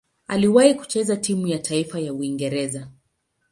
Aliwahi kucheza timu ya taifa ya Uingereza.